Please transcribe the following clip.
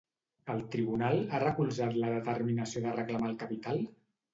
El Tribunal ha recolzat la determinació de reclamar el capital?